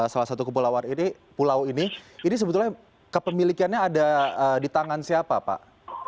salah satu kepulauan ini pulau ini ini sebetulnya kepemilikannya ada di tangan siapa pak